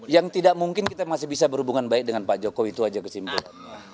yang tidak mungkin kita masih bisa berhubungan baik dengan pak jokowi itu aja kesimpulannya